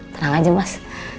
tenang aja mas